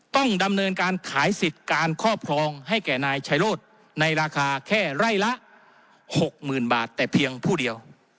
ต้องดำเนินการขายสิทธิ์การครอบครองให้แก่นายชายโรธในราคาแค่ไร่ละ๖๐๐๐บาทแต่เพียงผู้เดียว